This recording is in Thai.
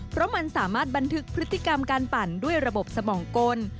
เพราะมันสามารถบันทึกพฤติกรรมการปั่นด้วยระบบสมองกล